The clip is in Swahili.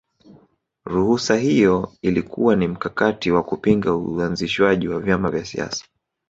Ruhusa iyo ilikuwa ni mkakati wa kupinga uanzishwaji wa vyama vya siasa